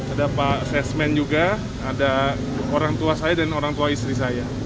ada pak sesmen juga ada orangtua saya dan orangtua istri saya